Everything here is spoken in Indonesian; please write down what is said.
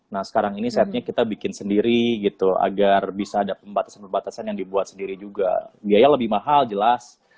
nah sekarang ini setnya kita bikin sendiri gitu agar bisa ada pembatasan pembatasan yang dibuat sendiri juga biaya lebih mahal jelas